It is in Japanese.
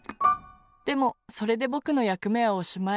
でもそれでぼくのやくめはおしまい。